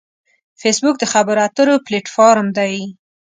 فېسبوک د خبرو اترو پلیټ فارم دی